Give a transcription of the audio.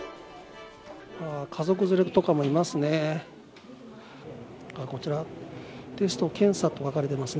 家族連れとかもいますね。